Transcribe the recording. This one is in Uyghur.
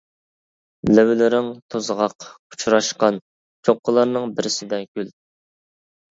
لەۋلىرىڭ توزغاق، ئۇچراشقان چوققىلارنىڭ بىرسىدە گۈل.